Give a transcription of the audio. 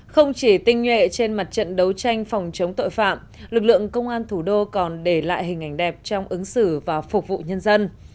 không chỉ tinh nhuệ trên mặt trận đấu tranh phòng chống tội phạm lực lượng công an thủ đô còn để lại hình ảnh đẹp trong ứng xử và phục vụ nhân dân